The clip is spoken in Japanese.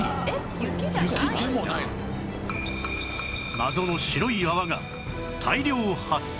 謎の白い泡が大量発生